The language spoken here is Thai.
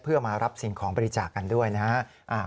เพื่อมารับสิ่งของบริจาคกันด้วยนะฮะ